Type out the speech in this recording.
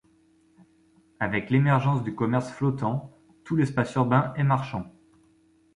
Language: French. Avec l’émergence du commerce flottant, tout l’espace urbain est marchand.